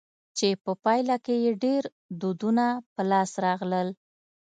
چي په پايله کښي ئې ډېر دودونه په لاس راغلل.